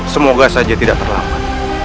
semoga saja tidak terlambat